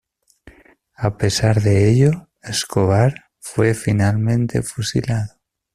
A pesar de ello, Escobar fue finalmente fusilado.